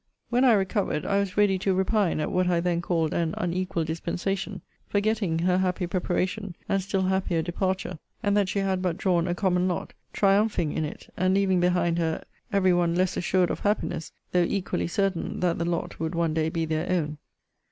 When I recovered, I was ready to repine at what I then called an unequal dispensation; forgetting her happy preparation, and still happier departure; and that she had but drawn a common lot; triumphing in it, and leaving behind her every one less assured of happiness, though equally certain that the lot would one day be their own.